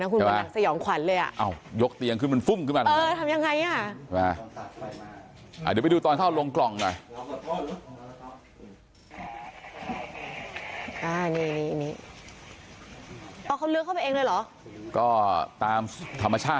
กระหนักสยองขวัญเลยอ่ะอ้าวยกเตียงขึ้นมันฟุ้มขึ้นมาเออทำ